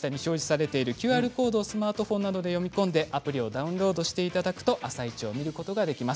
ＱＲコードをスマートフォンで読み込んでアプリをダウンロードしていただくと「あさイチ」を見ることができます。